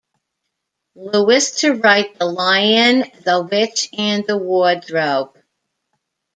Lewis to write "The Lion, the Witch and the Wardrobe".